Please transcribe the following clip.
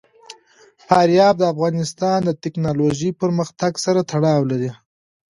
فاریاب د افغانستان د تکنالوژۍ پرمختګ سره تړاو لري.